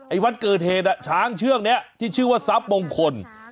ไอวันเกิดเทตอะช้างเชื่องเนี่ยที่ชื่อว่าทรัพย์บงคล